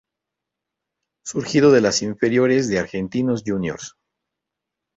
Surgido de las inferiores de Argentinos Juniors.